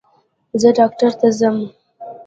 زه ډاکټر ته ځم